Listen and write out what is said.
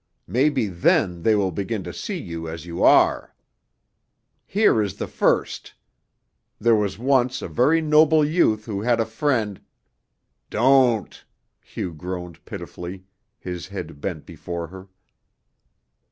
Maybe, then, they will begin to see you as you are. Here is the first: 'There was once a very noble youth who had a friend '" "Don't!" Hugh groaned pitifully, his head bent before her.